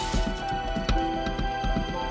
aku juga keliatan jalan sama si neng manis